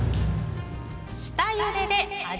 下ゆでで味